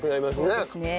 そうですね。